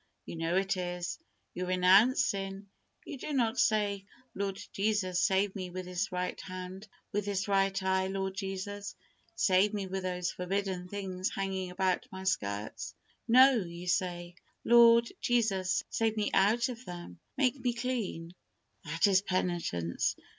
You know it is. You renounce sin. You do not say, "Lord Jesus, save me with this right hand, with this right eye; Lord Jesus, save me with these forbidden things hanging about my skirts." No; you say, "Lord Jesus, save me out of them. Make me clean." That is penitence.